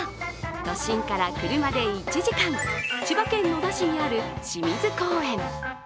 都心から車で１時間、千葉県野田市にある清水公園。